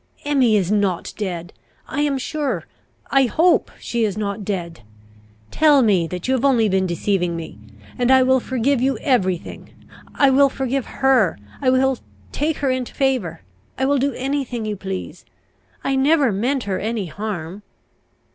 Emmy is not dead! I am sure I hope she is not dead! Tell me that you have only been deceiving me, and I will forgive you every thing I will forgive her I will take her into favour I will do any thing you please! I never meant her any harm!"